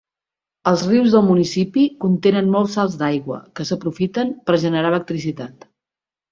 Els rius del municipi contenen molts salts d'aigua, que s'aprofiten per generar electricitat.